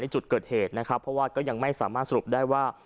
จุดเกิดเหตุนะครับเพราะว่าก็ยังไม่สามารถสรุปได้ว่า